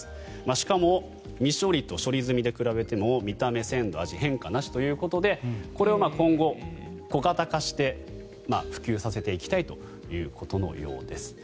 しかも未処理と処理済みで比べても見た目、鮮度、味変化なしということでこれを今後、小型化して普及させていきたいということのようです。